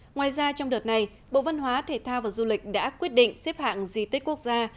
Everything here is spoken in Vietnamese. ngoài ra trong đợt này bộ văn hóa thể thao và du lịch đã quyết định xếp hạng di tích quốc gia